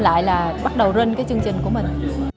lại là bắt đầu rưng cái chương trình của mình